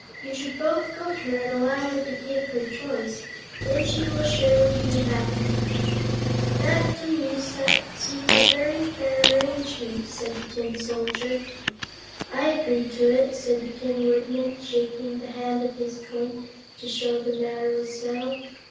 "You should both go to her and allow her to take her choice. Then she will surely be happy." "That, to me, seems a very fair arrangement," said the Tin Soldier. "I agree to it," said the Tin Woodman, shaking the hand of his twin to show the matter was settled.